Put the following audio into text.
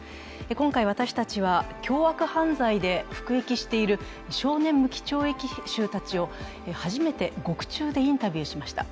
今回、私たちは凶悪犯罪で服役している少年無期懲役囚たちを初めて獄中でインタビューしました。